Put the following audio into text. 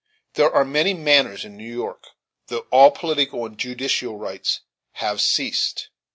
There are many manors in New York though all political and judicial rights have ceased.